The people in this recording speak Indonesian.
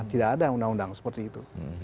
tidak ada undang undang seperti itu